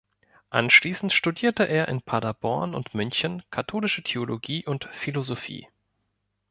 Anschließend studierte er in Paderborn und München Katholische Theologie und Philosophie.